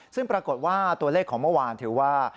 ซึ่งปรากฏว่าตัวเลขของเมื่อวานถือว่า